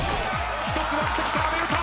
１つ割ってきた阿部詩！